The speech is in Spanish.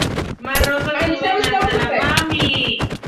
Más rosas suben hasta la base de la propia glorieta.